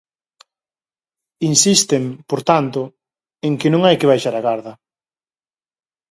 Insisten, por tanto, en que non hai que baixar a garda.